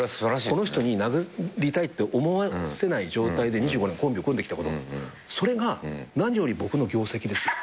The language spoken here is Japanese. この人に殴りたいって思わせない状態で２５年コンビを組んできたことそれが何より僕の業績ですよ。